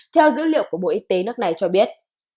theo dữ liệu của bộ y tế nước này cho biết